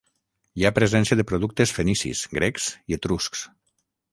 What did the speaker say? Hi ha presència de productes fenicis, grecs i etruscs.